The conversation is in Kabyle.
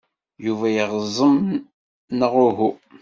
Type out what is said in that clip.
Yuba yeɣẓen, neɣ uhu?